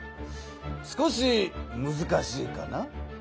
少しむずかしいかな？